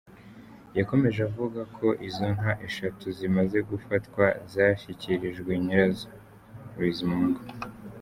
Yakomeje avuga ko izo nka eshatu zimaze gufatwa zashyikirijwe nyira zo, Bizimungu.